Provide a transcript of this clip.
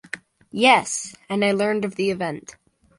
Yes... and I learned of the event.